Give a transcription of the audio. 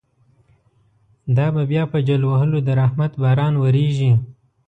دابه بیا په جل وهلو، درحمت باران وریږی